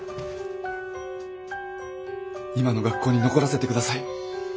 今の学校に残らせて下さい。